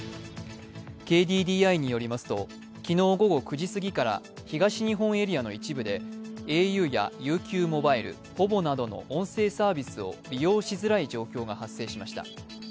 ＫＤＤＩによりますと、昨日午後９時過ぎから東日本エリアの一部でａｕやＵＱモバイル、ｐｏｖｏなどの音声サービスを利用しづらい状況が発生しました。